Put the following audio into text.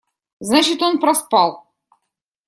Значит, он проспал.